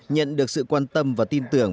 nhận được sự quan tâm và tin tưởng